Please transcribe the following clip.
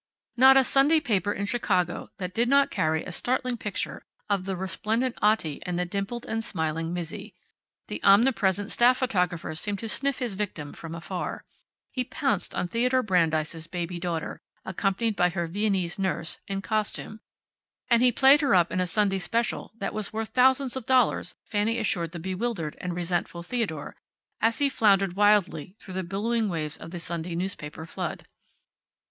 Not a Sunday paper in Chicago that did not carry a startling picture of the resplendent Otti and the dimpled and smiling Mizzi. The omnipresent staff photographer seemed to sniff his victim from afar. He pounced on Theodore Brandeis' baby daughter, accompanied by her Viennese nurse (in costume) and he played her up in a Sunday special that was worth thousands of dollars, Fanny assured the bewildered and resentful Theodore, as he floundered wildly through the billowing waves of the Sunday newspaper flood.